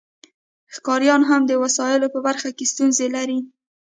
ښکاریان هم د وسایلو په برخه کې ستونزې لري